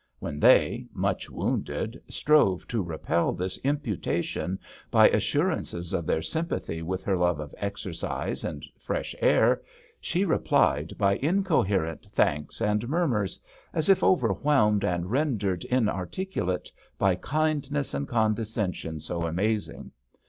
When they, much wounded, strove to repel this imputation by assurances of their sympathy with her love of exercise and fresh air, she replied by incoherent thanks and murmurs, as if overwhelmed and rendered inarticulate by kindness and condescension so amazing.